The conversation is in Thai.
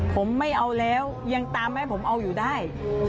ผมไม่เอาแล้วยังตามให้ผมเอาอยู่ได้